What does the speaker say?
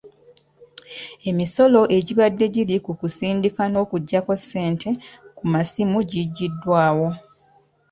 Emisolo egibadde giri ku kusindika n'okuggyayo ssente ku masimu gigyiddwawo.